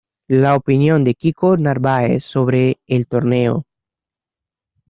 La opinión de Kiko Narváez sobre el torneo